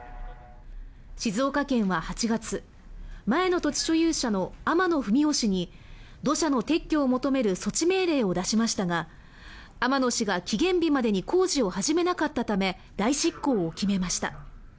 静岡県は８月前の土地所有者の天野二三男氏に土砂の撤去を求める措置命令を出しましたが天野氏が期限日までに工事を始めなかったため代執行を決めました。